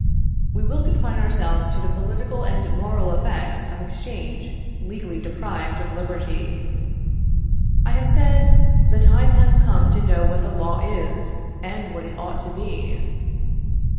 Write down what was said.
We will confine ourselves to the political and moral effects of exchange legally deprived of liberty. I have said: The time has come to know what the law is, and what it ought to be.